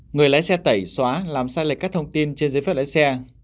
người lái xe tẩy xóa làm sai lệch các thông tin trên giấy phép lái xe